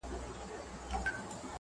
بلکې د ده د سیاسي فلسفې یوه مهمه برخه وه